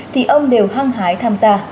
thì ông đều hăng hái tham gia